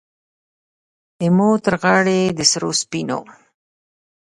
زما ترغاړې د سرو، سپینو،